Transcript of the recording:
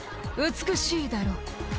美しいだろ」